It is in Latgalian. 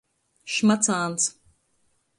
Šmacāns.